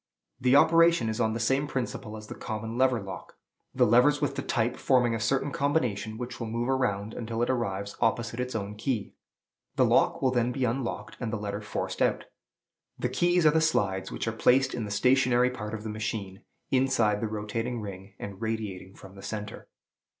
The operation is on the same principle as the common lever lock; the levers with the type forming a certain combination which will move around until it arrives opposite its own key. The lock will then be unlocked, and the letter forced out. The keys are the slides, which are placed in the stationary part of the machine, inside the rotating ring, and radiating from the centre.